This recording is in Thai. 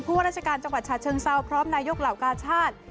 ว่าราชการจังหวัดฉะเชิงเซาพร้อมนายกเหล่ากาชาติ